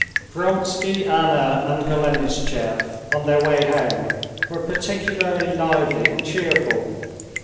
Vronsky, Anna, and Golenishtchev, on their way home, were particularly lively and cheerful.